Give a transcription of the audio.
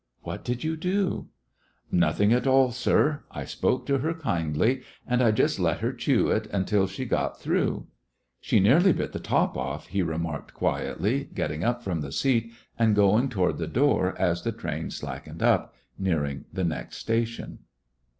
"What did you dot" "Nothing at all, sir. I spoke to her kindly, and I just let her chew it until she got through. She nearly bit the top off," he re marked quietly, getting up from the seat and going toward the door, as the train slackened up, nearing the next station.